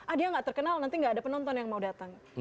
ah dia nggak terkenal nanti nggak ada penonton yang mau datang